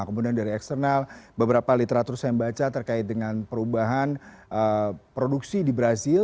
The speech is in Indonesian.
kemudian dari eksternal beberapa literatur saya baca terkait dengan perubahan produksi di brazil